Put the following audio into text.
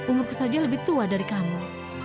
umurku saja lebih tua dari kamu